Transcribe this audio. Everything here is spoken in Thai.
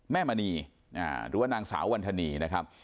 แม่มณีหรือนางสาววีนธานีนะครับ